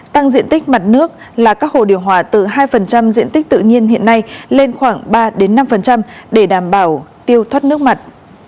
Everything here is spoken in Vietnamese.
tăng diện tích mặt nước là các hồ điều hòa từ hai diện tích tự nhiên hiện nay lên khoảng ba năm để đảm bảo tiêu thoát nước mặt